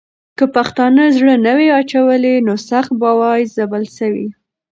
که پښتانه زړه نه وای اچولی، نو سخت به وای ځپل سوي.